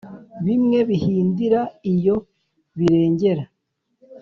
bimwe bihindira iyo birengera